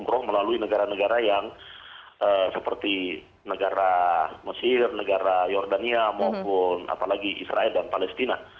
umroh melalui negara negara yang seperti negara mesir negara jordania maupun apalagi israel dan palestina